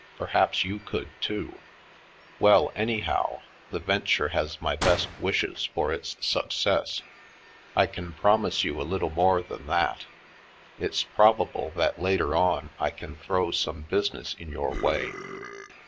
"Perhaps you could, too. Well, any how, the venture has my best wishes for its success. I can promise you a little more than that: It's probable that later on I can throw some business in your way."